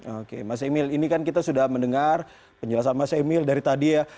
oke mas emil ini kan kita sudah mendengar penjelasan mas emil dari tadi ya